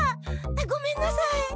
ごめんなさい。